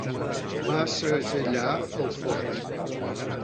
Va segellar el fort.